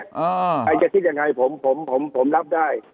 ใครจะคิดยังไงผมผมรับได้